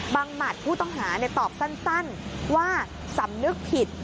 หมัดผู้ต้องหาตอบสั้นว่าสำนึกผิด